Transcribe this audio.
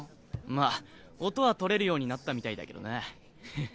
まあ音は取れるようになったみたいだけどな。ははっ。